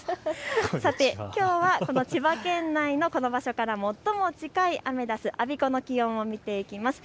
さて、きょうはこの千葉県内のこの場所から最も近いアメダス我孫子の気温を見ていきます。